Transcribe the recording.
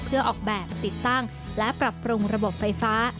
เพื่อออกแบบติดตั้งและปรับปรุงระบบไฟฟ้า